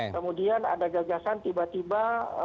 kemudian ada gagasan tiba tiba